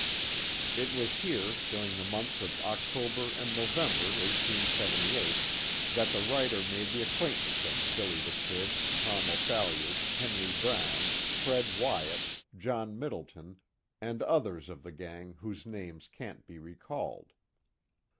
It was here, during the months of October and November, 1878, that the writer made the acquaintance of "Billy the Kid," Tom O'Phalliard, Henry Brown, Fred Wyat, John Middleton, and others of the gang whose names can't be recalled.